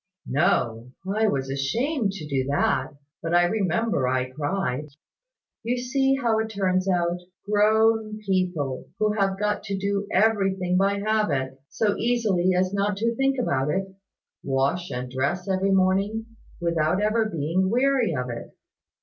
"No; I was ashamed to do that: but I remember I cried. You see how it turns out. Grown people, who have got to do everything by habit, so easily as not to think about it, wash and dress every morning, without ever being weary of it.